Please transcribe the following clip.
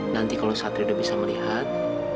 nanti kalau satri udah bisa melihat